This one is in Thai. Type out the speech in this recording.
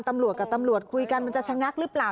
ตำรวจกับตำรวจคุยกันมันจะชะงักหรือเปล่า